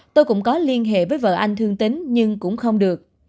tôi cũng có liên hệ với vợ anh thương tính nhưng cũng không được